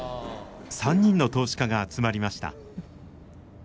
３人の投資家が集まりました。